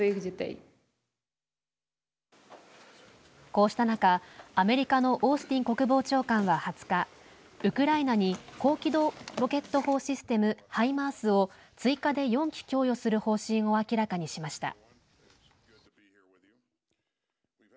こうした中アメリカのオースティン国防長官は２０日ウクライナに高機動ロケット砲システム＝ハイマースを追加で４基供与する方針を明らかにしました。